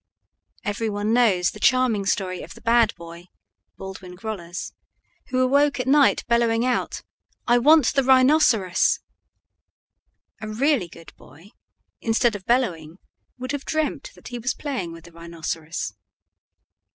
Every one knows the charming story of the bad boy (Baldwin Groller's) who awoke at night bellowing out, "I want the rhinoceros." A really good boy, instead of bellowing, would have dreamt that he was playing with the rhinoceros.